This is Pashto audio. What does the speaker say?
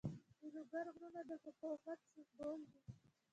د لوګر غرونه د مقاومت سمبول دي.